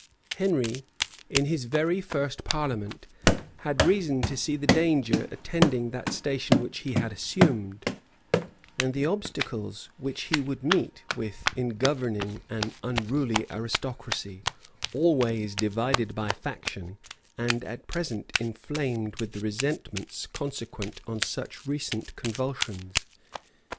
Henry, in his very first parliament, had reason to see the danger attending that station which he had assumed, and the obstacles which he would meet with in governing an unruly aristocracy, always divided by faction, and at present inflamed with the resentments consequent on such recent convulsions.